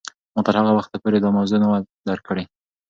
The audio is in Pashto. ما تر هغه وخته پورې دا موضوع نه وه درک کړې.